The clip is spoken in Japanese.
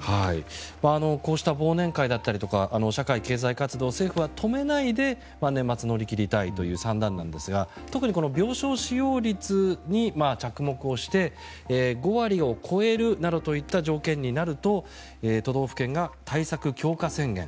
こうした忘年会だったりとか社会経済活動を政府は止めないで年末、乗り切りたいという算段なんですが特に病床使用率に着目して５割を超えるなどといった条件になると都道府県が対策強化宣言。